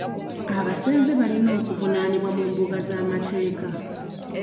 Abasenze balina okuvunaanibwa mu mbuga z'amateeka.